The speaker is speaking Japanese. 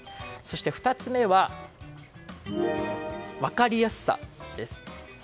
そして、２つ目は分かりやすさです。